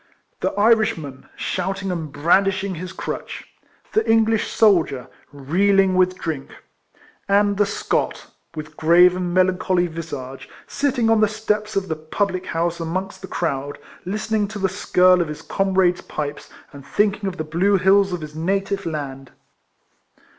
The Irishman, shouting and brandishing his crutch ; the English soldier, reeling with drink; and the Scot, with grave and melancholy visage, sitting on the steps of the public house amongst the crowd, listening to the skirl of his comrades' pipes, and thinking of the blue hills of his native land.